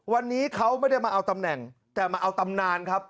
วันนี้เขาไม่ได้มาเอาตำแหน่งแต่มาเอาตำนานครับ